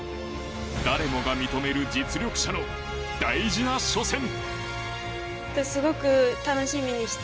誰もが認める実力者の大事な初戦。